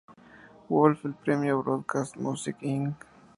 Wolff el premio Broadcast Music, Inc.